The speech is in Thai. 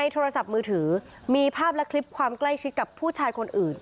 โทรศัพท์มือถือมีภาพและคลิปความใกล้ชิดกับผู้ชายคนอื่น